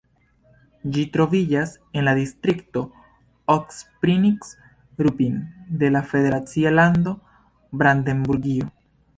Ĝi troviĝas en la distrikto Ostprignitz-Ruppin de la federacia lando Brandenburgio.